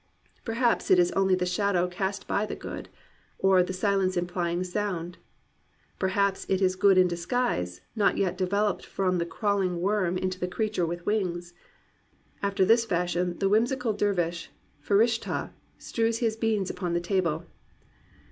Perhaps it is only the shadow cast by the good, — or "the silence im plying sound." Perhaps it is good in disguise, not yet developed from the crawling worm into the creature with wings. After this fashion the whim sical dervish Ferishtah strews his beans upon the table.